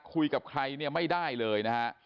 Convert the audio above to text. คุยกับใครไม่ได้เลย